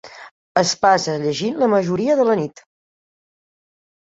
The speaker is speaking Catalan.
Es passa llegint la majoria de la nit.